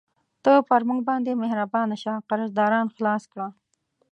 ته پر موږ باندې مهربانه شه، قرضداران خلاص کړه.